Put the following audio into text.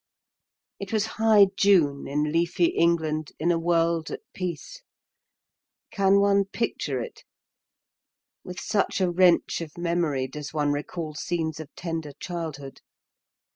It was high June, in leafy England, in a world at peace. Can one picture it? With such a wrench of memory does one recall scenes of tender childhood.